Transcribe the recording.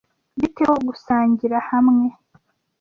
Bite ho gusangira hamwe?